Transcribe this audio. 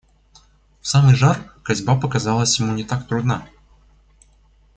В самый жар косьба показалась ему не так трудна.